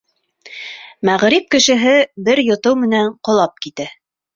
Мәғриб кешеһе бер йотоу менән ҡолап китә.